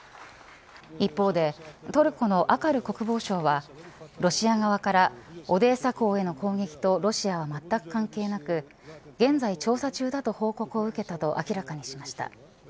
一方でトルコのアカル国防相はロシア側からオデーサ港への攻撃とロシアはまったく関係なく現在調査中だと報告を受けたと明らかにしました。